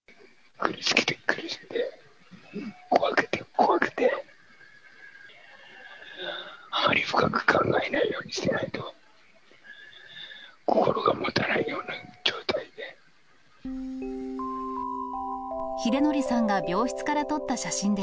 あまり深く考えないようにしてないと心がもたないような状態で。